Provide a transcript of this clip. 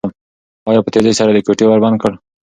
انا په تېزۍ سره د کوټې ور بند کړ.